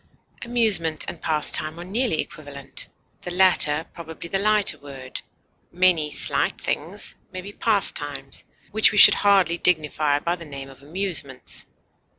Amusement and pastime are nearly equivalent, the latter probably the lighter word; many slight things may be pastimes which we should hardly dignify by the name of amusements.